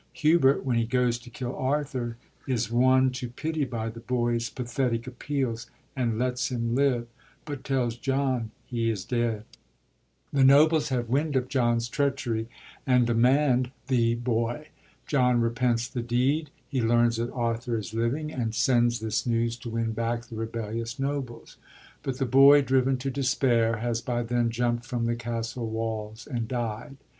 Hubert, when he goes to kill Arthur, is won to pity by the boy's pathetic appeals, and lets him live, but tells John he is dead. The 95 KING JOHN MERCHANT OF VENICE nobles have wind of John's treachery, and demand the boy. John repents the deed. He learns that Arthur is living, and sends this nevtrs to win back the rebellious nobles; but the boy, driven to despair, has by then jiimpt from the castle walls and died.